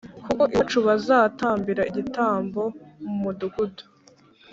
kuko iwacu bazatambira igitambo mu mudugudu